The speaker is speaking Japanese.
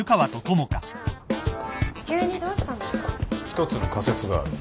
一つの仮説がある。